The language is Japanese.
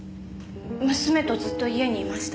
娘とずっと家にいました。